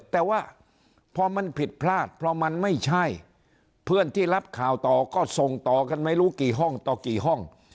แต่ว่าพอมันผิดพลาดเพราะมันไม่ใช่เพื่อนที่รับข่าวต่อก็ส่งต่อกันไม่รู้กี่ห้องต่อกี่ห้อง